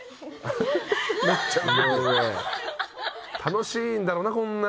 楽しいんだろうなこんな。